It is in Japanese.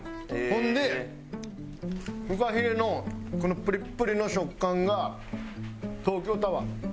ほんでフカヒレのこのプリップリの食感が東京タワー。